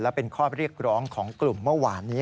และเป็นข้อเรียกร้องของกลุ่มเมื่อวานนี้